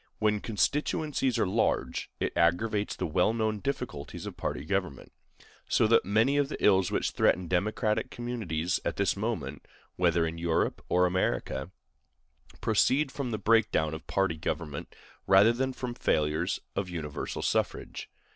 When constituencies are large, it aggravates the well known difficulties of party government; so that many of the ills which threaten democratic communities at this moment, whether in Europe or America, proceed from the break down of party government rather than from failures of universal suffrage.